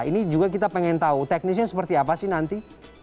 ini juga kita pengen tahu teknisnya seperti apa sih nanti